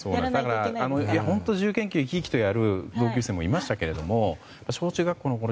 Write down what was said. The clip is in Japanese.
本当に自由研究を生き生きとやる同級生いましたけど小中学校のころ